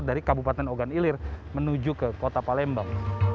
dari kabupaten ogan ilir menuju ke kota palembang